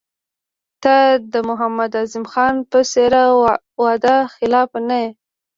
ته د محمد اعظم خان په څېر وعده خلاف نه یې.